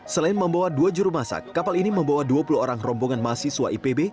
selain membawa dua juru masak kapal ini membawa dua puluh orang rombongan mahasiswa ipb